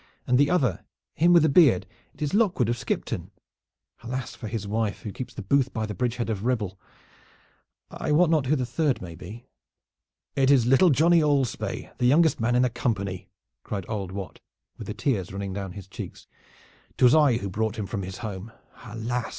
And the other, him with the beard, it is Lockwood of Skipton. Alas for his wife who keeps the booth by the bridge head of Ribble! I wot not who the third may be." "It is little Johnny Alspaye, the youngest man in the company," cried old Wat, with the tears running down his cheeks, "'Twas I who brought him from his home. Alas!